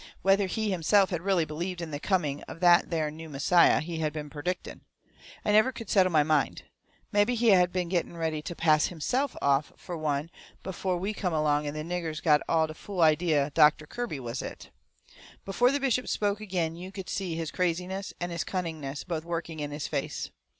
Whether he himself had really believed in the coming of that there new Messiah he had been perdicting, I never could settle in my mind. Mebby he had been getting ready to pass HIMSELF off fur one before we come along and the niggers all got the fool idea Doctor Kirby was it. Before the bishop spoke agin you could see his craziness and his cunningness both working in his face.